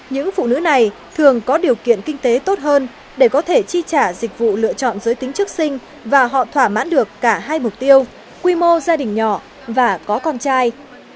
những phụ nữ này thường có điều kiện kinh tế tốt hơn để có thể chi trả dịch vụ lựa chọn giới tính chức sinh và họ thỏa mãn được cả hai mục tiêu quy mô gia đình nhỏ và có con trai